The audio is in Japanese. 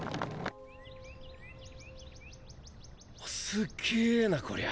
すっげぇなこりゃ。